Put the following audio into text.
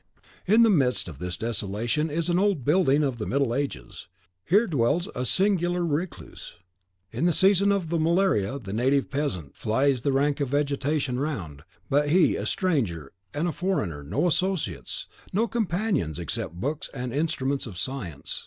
In the midst of this desolation is an old building of the middle ages. Here dwells a singular recluse. In the season of the malaria the native peasant flies the rank vegetation round; but he, a stranger and a foreigner, no associates, no companions, except books and instruments of science.